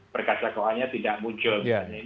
perkataan perkataannya tidak muncul